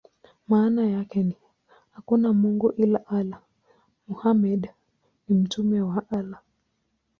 Maana yake ni: "Hakuna mungu ila Allah; Muhammad ni mtume wa Allah".